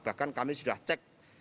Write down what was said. bahkan kami sudah cek